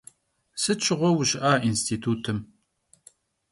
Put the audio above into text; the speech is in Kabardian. Sıt şığue vuş'ıha yinstitutım?